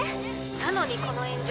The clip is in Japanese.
なのにこの炎上。